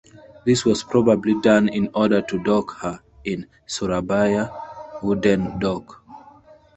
This was probably done in order to dock her in "Surabaya Wooden Dock".